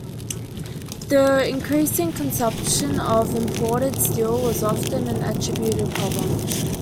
The increasing consumption of imported steel was often an attributed problem.